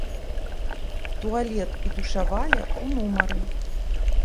Туалет і душавая ў нумары.